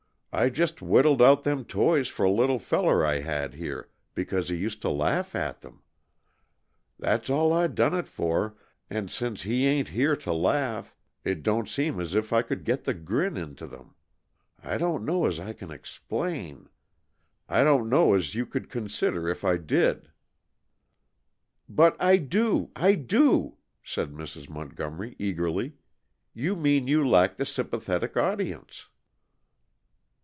"I just whittled out them toys for a little feller I had here, because he used to laugh at them. That's all I done it for, and since he ain't here to laugh, it don't seem as if I could get the grin into them. I don't know as I can explain; I don't know as you could understand if I did " "But I do, I do," said Mrs. Montgomery eagerly. "You mean you lack the sympathetic audience."